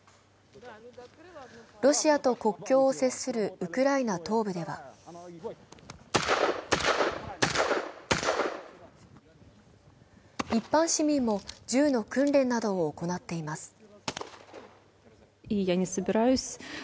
ロシアと国境を接するウクライナ東部では一般市民も銃の訓練などを行っています。